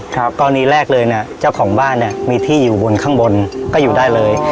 ตอนนี้แรกเลยเจ้าของบ้านมีที่อยู่ข้างบนก็อยู่ได้เลย